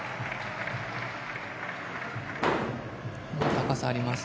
高さがあります。